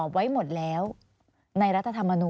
สวัสดีครับทุกคน